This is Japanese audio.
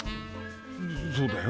そうだよ。